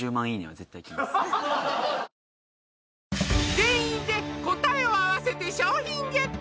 全員で答えを合わせて賞品ゲット